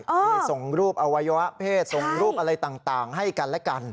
มีส่งรูปอวัยวะเพศส่งรูปอะไรต่างให้กันและกัน